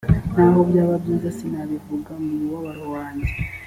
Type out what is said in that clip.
naho byaba ibyiza sinabivuga umubabaro wanjye